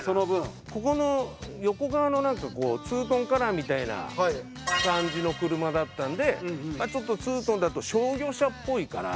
ここの横側がなんかツートンカラーみたいな感じの車だったんでちょっとツートンだと商業車っぽいから。